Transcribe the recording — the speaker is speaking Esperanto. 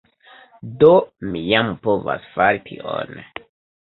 Do mi jam povas fari tion